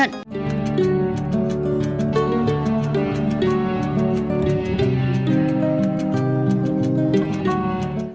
hãy đăng ký kênh để ủng hộ kênh của mình nhé